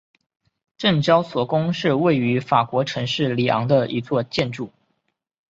证交所宫是位于法国城市里昂的一座建筑。